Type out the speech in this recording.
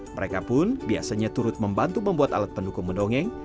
mereka pun biasanya turut membantu membuat alat pendukung mendongeng